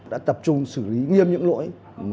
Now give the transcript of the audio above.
đã tập trung xử lý nghiêm những lỗi